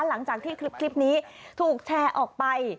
หลังจากที่คลิปนี้ถูกแชร์ออกไป